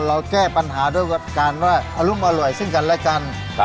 เราแก้ปัญหาด้วยการว่าอรุมอร่วยซึ่งกันและกัน